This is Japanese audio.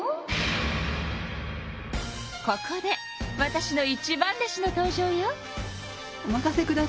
ここでわたしの一番弟子の登場よ。